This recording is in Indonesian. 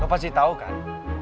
lo pasti tahu kan